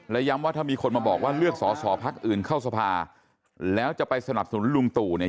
และย้ำว่าถ้ามีคนมาบอกว่าเลือกสอสอพักอื่นเข้าสภาแล้วจะไปสนับสนุนลุงตู่เนี่ย